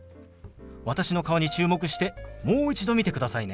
私の顔に注目してもう一度見てくださいね。